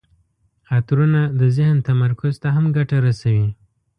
عطرونه د ذهن تمرکز ته هم ګټه رسوي.